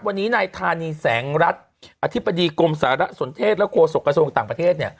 วันนี้นายธานีแสงรัฐอธิบดีกรมสารสนเทศและโฆษกระทรวงต่างประเทศเนี่ย